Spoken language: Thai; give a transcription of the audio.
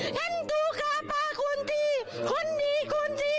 ท่านตู้กาไปควรที่คนนี้ควรดี